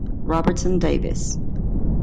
Robertson Davies